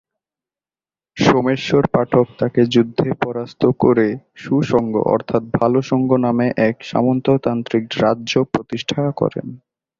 সোমেশ্বর পাঠক তাকে যুদ্ধে পরাস্ত করে সু-সঙ্গ অর্থাৎ ভাল সঙ্গ নামে এক সামন্ততান্ত্রিক রাজ্য প্রতিষ্ঠা করেন।